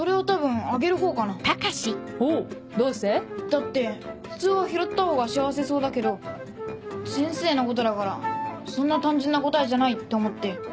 だって普通は拾ったほうが幸せそうだけど先生のことだからそんな単純な答えじゃないって思って。